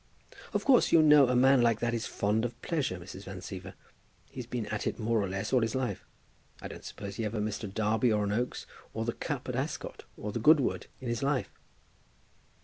"Of course, you know, a man like that is fond of pleasure, Mrs. Van Siever. He's been at it more or less all his life. I don't suppose he ever missed a Derby or an Oaks, or the cup at Ascot, or the Goodwood in his life."